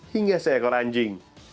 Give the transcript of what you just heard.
hingga seekor anjing